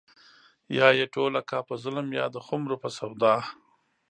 يا يې ټوله کا په ظلم يا د خُمرو په سودا